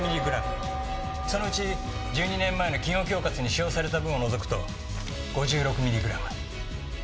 そのうち１２年前の企業恐喝に使用された分を除くと５６ミリグラム。